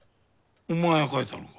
お前が書いたのか？